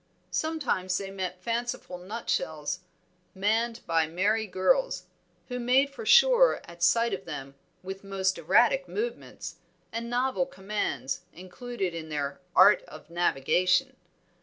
Sometimes they met fanciful nutshells manned by merry girls, who made for shore at sight of them with most erratic movements and novel commands included in their Art of Navigation.